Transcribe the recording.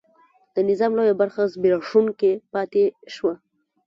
د نظام لویه برخه زبېښونکې پاتې شوه.